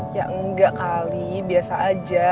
ya enggak kali biasa aja